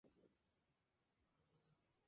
Es la serie "Key News".